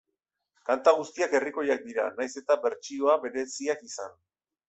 Kanta guztiak herrikoiak dira nahiz eta bertsioa bereziak izan.